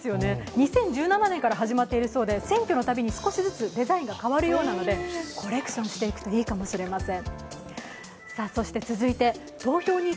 ２０１７年から始まっているそうで選挙のたびに少しずつデザインが変わるようなので、コレクションしていくといいかもしれません。